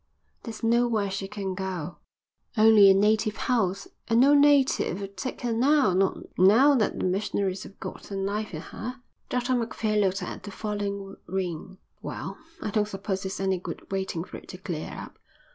"There's nowhere she can go, only a native house, and no native'll take her now, not now that the missionaries have got their knife in her." Dr Macphail looked at the falling rain. "Well, I don't suppose it's any good waiting for it to clear up."